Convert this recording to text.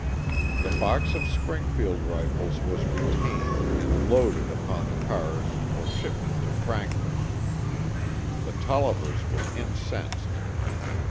The box of Springfield rifles was retained and loaded upon the cars for shipment to Frankfort. The Tollivers were incensed.